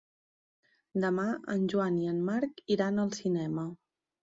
Demà en Joan i en Marc iran al cinema.